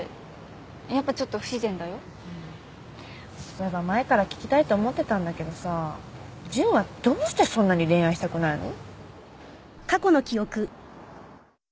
そういえば前から聞きたいと思ってたんだけどさ純はどうしてそんなに恋愛したくないの？